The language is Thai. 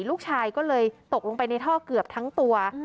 ลูกชายก็เลยตกลงไปในท่อเกือบทั้งตัว